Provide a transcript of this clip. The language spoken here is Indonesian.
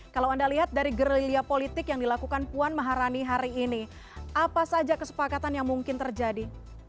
kalau anda lihat dari gerilya politik yang dilakukan puan maharani hari ini apa saja kesepakatan yang mungkin terjadi